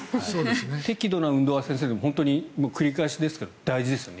適度な運動は先生、本当に繰り返しですが大事ですよね。